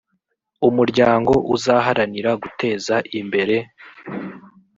umuryango uzaharanira guteza imbere